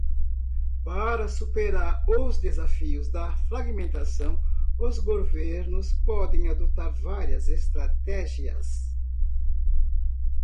Para superar os desafios da fragmentação, os governos podem adotar várias estratégias.